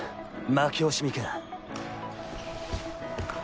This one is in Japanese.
負け惜しみか？